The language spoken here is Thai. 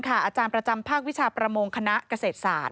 อาจารย์ประจำภาควิชาประมงคณะเกษตรศาสต